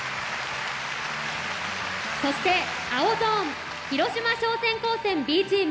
そして青ゾーン広島商船高専Ｂチーム。